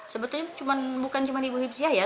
sebetulnya bukan cuma ibu hipsyah ya